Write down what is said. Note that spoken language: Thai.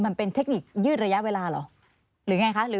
มันเป็นเทคนิคยืดระยะเวลาเหรอ